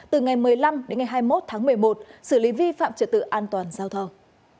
từ ngày một mươi năm đến ngày hai mươi một tháng một mươi một xử lý vi phạm trật tự an toàn giao thông